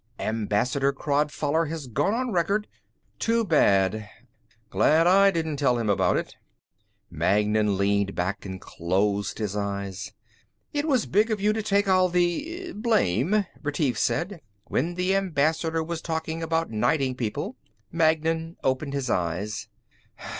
Ambassador Crodfoller has gone on record...." "Too bad. Glad I didn't tell him about it." Magnan leaned back and closed his eyes. "It was big of you to take all the ... blame," Retief said, "when the Ambassador was talking about knighting people." Magnan opened his eyes.